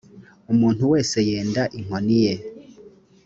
umuntu wese yenda inkoni ye